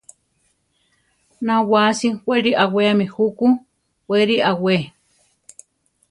Na wáasi wéli aweami juku; weri awé.